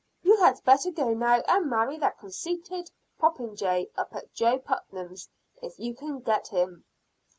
You had better go now and marry that conceited popinjay up at Jo Putnam's, if you can get him."